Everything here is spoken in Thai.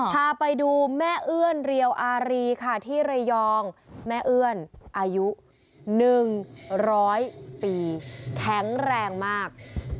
พาไปดูแม่เอื้อนเรียวอารีค่ะที่ระยองแม่เอื้อนอายุ๑๐๐ปีแข็งแรงมาก